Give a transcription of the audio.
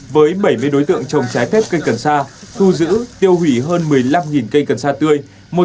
với bảy mươi đối tượng trồng trái phép cây cần sa thu giữ tiêu hủy hơn một mươi năm cây cần sa tươi